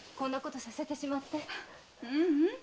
ううん。